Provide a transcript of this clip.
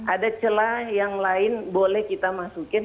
ada celah yang lain boleh kita masukin